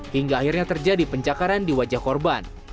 hingga akhirnya terjadi pencakaran di wajah korban